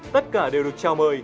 tất cả đều được trao mời